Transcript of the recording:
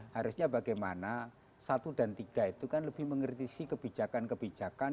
harusnya bagaimana satu dan tiga itu kan lebih mengkritisi kebijakan kebijakan